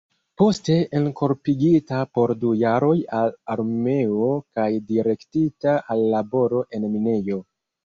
Poste enkorpigita por du jaroj al armeo kaj direktita al laboro en minejo.